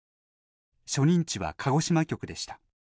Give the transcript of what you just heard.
初任地は鹿児島局でした。